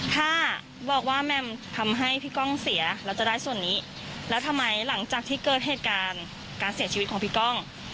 ถ้าบอกว่าแหม่มทำให้พี่ก้องเสียแล้วจะได้ส่วนนี้แล้วทำไมหลังจากที่เกิดเหตุการณ์การเสียชีวิตของพี่ก้อง